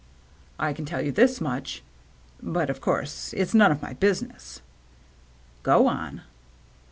" I can tell you this much — but, of course, it's none of my business." " Go on."